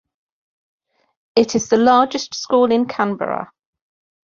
It is the largest school in Canberra.